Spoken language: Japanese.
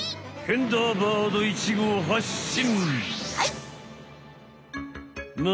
ヘンダーバード１号はっしん！